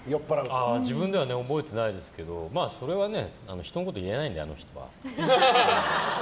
自分では覚えてないですけどそれは人のこと言えないのであの人は。